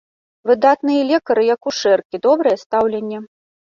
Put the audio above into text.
Выдатныя лекары і акушэркі, добрае стаўленне!